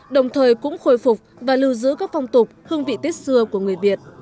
đồng thời cũng khôi phục và lưu giữ các phong tục hương vị tết xưa của người việt